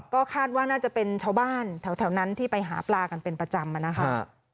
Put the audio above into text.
ก็คาดว่าน่าจะเป็นชาวบ้านแถวนั้นที่ไปหาปลากันเป็นประจำนะครับ